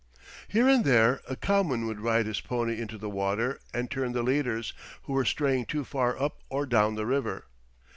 Here and there a cowman would ride his pony into the water and turn the leaders, who were straying too far up or down the river.